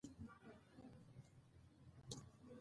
افغان ولس به تل ژوندی وي.